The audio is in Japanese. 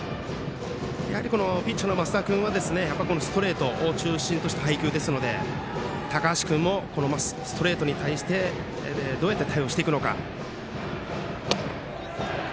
ピッチャーの升田君はストレートを中心とした配球ですので高橋君もストレートに対してどうやって対応していくのか。